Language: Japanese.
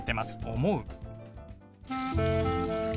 「思う」。